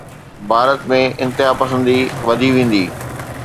ڀارت ۾ انتهاپسندي وڌي ويندي.